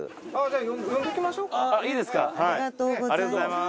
ありがとうございます。